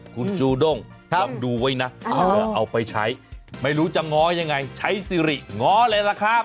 คุณจูด้งลองดูไว้นะเอาไปใช้ไม่รู้จะง้อยังไงใช้สิริง้อเลยล่ะครับ